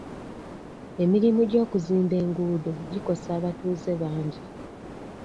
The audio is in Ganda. Emirimu gy'okuzimba enguudo gikosa abatuuze bangi.